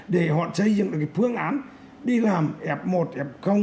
để họ xây dựng được cái phương án đi làm f một f